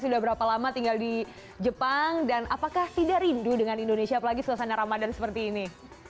sudah berapa lama tinggal di jepang dan apakah tidak rindu dengan indonesia apalagi suasana ramadan seperti ini